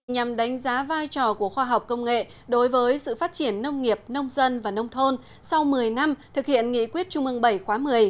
nhằm đánh giá vai trò của khoa học công nghệ đối với sự phát triển nông nghiệp nông dân và nông thôn sau một mươi năm thực hiện nghị quyết trung ương bảy khóa một mươi